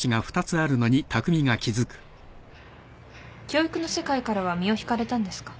教育の世界からは身を引かれたんですか？